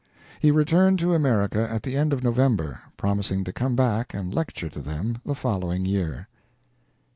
He returned to America at the end of November; promising to come back and lecture to them the following year.